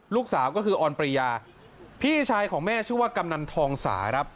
ลูกสาวก็คือออนปริยาพี่ชายของแม่ชื่อว่ากำนันทองสาครับ